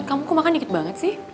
kamu kok makan dikit banget sih